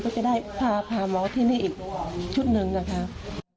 ก็จะได้พาหมอที่นี่อีกชุดหนึ่งนะคะ